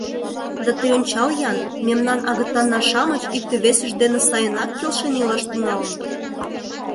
— Да тый ончал-ян, мемнан агытанна-шамыч икте-весышт дене сайынак келшен илаш тӱҥалыныт.